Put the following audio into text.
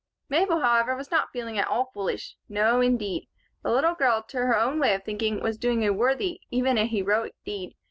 Mabel, however, was not feeling at all foolish. No, indeed. The little girl, to her own way of thinking, was doing a worthy, even a heroic, deed.